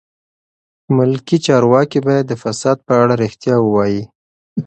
ملکي چارواکي باید د فساد په اړه رښتیا ووایي.